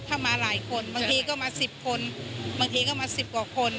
ถ้ามาหลายคนบางทีก็มา๑๐คนบางทีก็มา๑๐กว่าคน